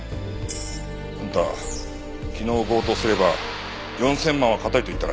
あんた昨日強盗すれば４０００万は堅いと言ったらしいな。